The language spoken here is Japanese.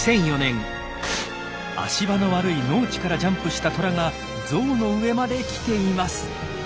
足場の悪い農地からジャンプしたトラがゾウの上まで来ています！